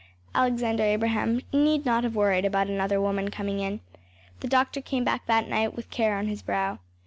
Alexander Abraham need not have worried about another woman coming in. The doctor came back that night with care on his brow.